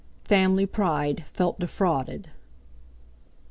Family pride felt defrauded.